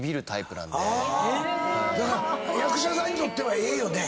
だから役者さんにとってはええよね。